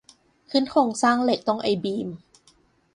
ขึ้นโครงสร้างเหล็กต้องไอบีม